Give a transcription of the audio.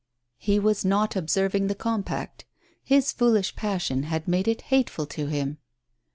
He was not observing the compact; his foolish passion had made it hateful to him.